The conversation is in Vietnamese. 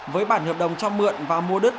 với bản hợp đồng cho mượn và mua đứt